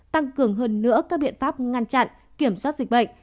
tăng cường hơn nữa các biện pháp ngăn chặn kiểm soát dịch bệnh